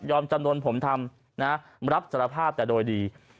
จำนวนผมทำนะรับสารภาพแต่โดยดี